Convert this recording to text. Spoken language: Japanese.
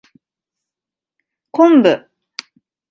昆布